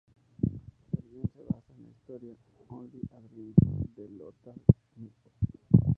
El guion se basa en la historia "Only a Dream", de Lothar Schmidt.